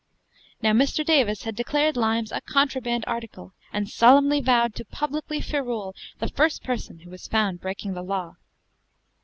Now, Mr. Davis had declared limes a contraband article, and solemnly vowed to publicly ferule the first person who was found breaking the law.